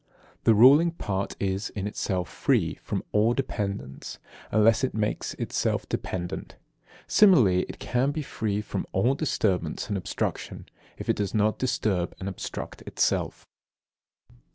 The ruling part is, in itself, free from all dependence, unless it makes itself dependent. Similarly, it may be free from all disturbance and obstruction, if it does not disturb and obstruct itself.